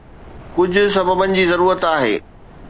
ڪجهه سببن جي ضرورت آهي